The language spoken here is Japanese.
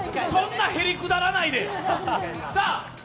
そんなへりくだらないで。